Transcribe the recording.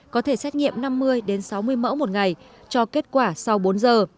có thể xét nghiệm năm mươi sáu mươi mẫu một ngày cho kết quả sau bốn giờ